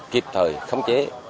kịp thời khống chế